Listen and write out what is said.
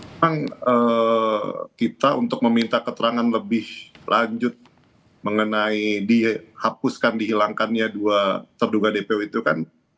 memang kita untuk meminta keterangan lebih lanjut mengenai dihapuskan dihilangkannya dua terduga dpo itu kan